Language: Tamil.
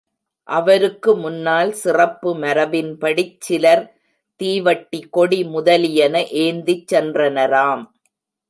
அவருக்கு முன்னால், சிறப்பு மரபின்படிச் சிலர் தீவட்டி, கொடி முதலியன ஏந்திச் சென்றனராம்.